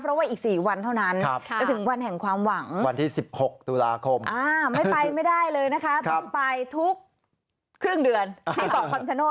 เพราะว่าอีก๔วันเท่านั้น